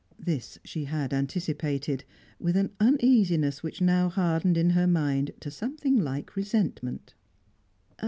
This she had anticipated, with an uneasiness which now hardened in her mind to something like resentment.